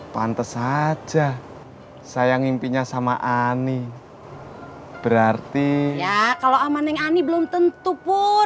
pantes saja saya ngimpinya sama ani berarti ya kalau aman yang ani belum tentu pun